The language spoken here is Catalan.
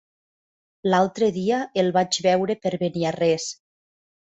L'altre dia el vaig veure per Beniarrés.